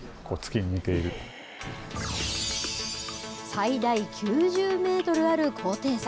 最大９０メートルある高低差